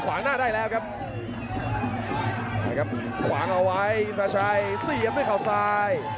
ขวางหน้าได้แล้วครับนะครับขวางเอาไว้อินทราชัยเสียบด้วยเขาซ้าย